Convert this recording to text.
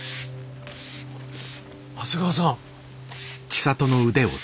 長谷川さん。